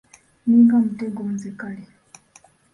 Nninga mutego nze kale.